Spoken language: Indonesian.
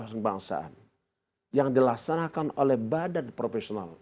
perusahaan perusahaan yang dilaksanakan oleh badan profesional